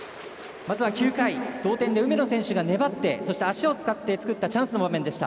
まずは９回、同点で梅野選手が粘って、そして足を使って作ったチャンスでした。